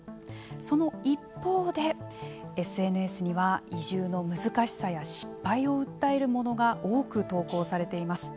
その一方で、ＳＮＳには移住の難しさや失敗を訴えるものが多く投稿されています。